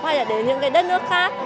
hay là đến những cái đất nước khác